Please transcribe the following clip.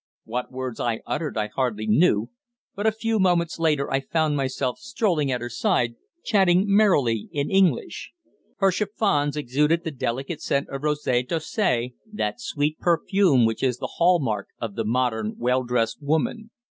What words I uttered I hardly knew, but a few moments later I found myself strolling at her side, chatting merrily in English. Her chiffons exuded the delicate scent of Rose d'Orsay, that sweet perfume which is the hall mark of the modern well dressed woman.